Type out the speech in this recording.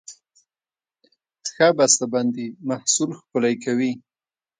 ښه بسته بندي محصول ښکلی کوي.